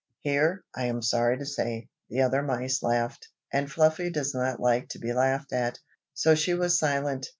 Here, I am sorry to say, the other mice laughed, and Fluffy does not like to be laughed at, so she was silent.